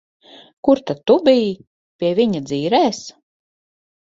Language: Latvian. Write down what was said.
Kur tad tu biji? Pie viņa dzīrēs?